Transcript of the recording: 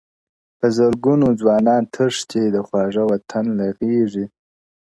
په زرګونو ځوانان تښتي؛ د خواږه وطن له غېږي,